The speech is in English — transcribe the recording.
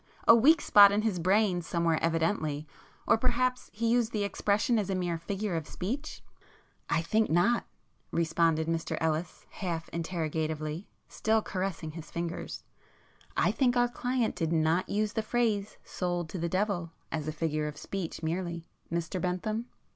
—a weak spot in his brain somewhere evidently,—or perhaps he used the expression as a mere figure of speech?" "I think not;"—responded Mr Ellis half interrogatively, still caressing his fingers—"I think our client did not use the phrase 'sold to the devil' as a figure of speech merely, Mr Bentham?"